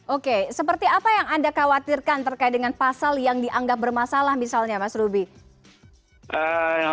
oke seperti apa yang anda khawatirkan terkait dengan pasal yang dianggap bermasalah misalnya mas ruby